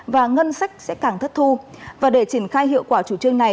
và ngân sách sẽ càng thất thu và để triển khai hiệu quả chủ trương này